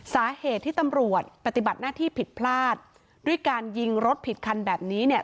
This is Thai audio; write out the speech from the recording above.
สาเหตุที่ตำรวจปฏิบัติหน้าที่ผิดพลาดด้วยการยิงรถผิดคันแบบนี้เนี่ย